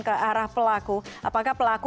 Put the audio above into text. ke arah pelaku apakah pelaku